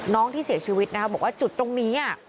น้องที่เสียชีวิตนะคะบอกว่าจุดตรงนี้